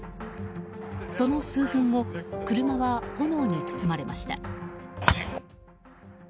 その数分後車は炎に包まれました。